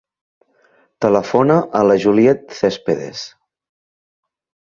Telefona a la Juliet Cespedes.